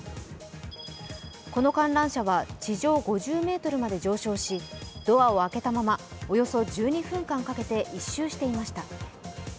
この観覧車は地上５０ｍまで上昇し、ドアを開けたまま、およそ１２分間かけて１周していました。